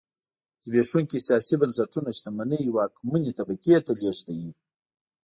زبېښونکي سیاسي بنسټونه شتمنۍ واکمنې طبقې ته لېږدوي.